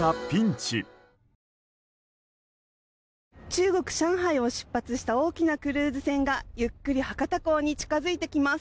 中国・上海を出発した大きなクルーズ船がゆっくり博多港に近づいてきます。